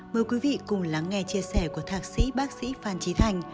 mời quý vị cùng lắng nghe chia sẻ của thạc sĩ bác sĩ phan trí thành